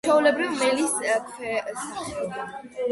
ჩვეულებრივი მელის ქვესახეობა.